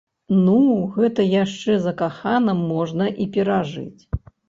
Ну, гэта яшчэ закаханым можна і перажыць.